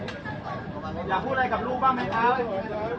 พี่สุนัยคิดถึงลูกไหมครับ